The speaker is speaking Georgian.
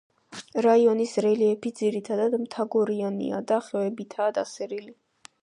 რაიონის რელიეფი ძირითადად მთაგორიანია და ხევებითაა დასერილი.